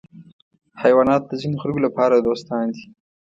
حیوانات د ځینو خلکو لپاره دوستان دي.